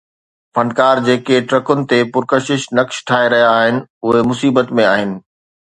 فنڪار جيڪي ٽرڪن تي پرڪشش نقش ٺاهي رهيا آهن، اهي مصيبت ۾ آهن